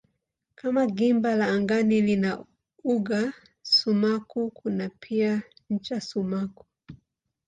Kama gimba la angani lina uga sumaku kuna pia ncha sumaku.